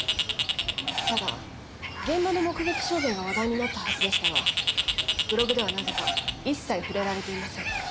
ただ現場の目撃証言が話題になったはずでしたがブログではなぜか一切触れられていません。